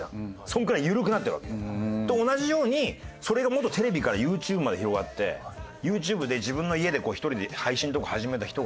それくらい緩くなってるわけ。と同じようにそれがもっとテレビからＹｏｕＴｕｂｅまで広がってＹｏｕＴｕｂｅで自分の家でこう１人で配信とか始めた人がスターになっていくでしょ。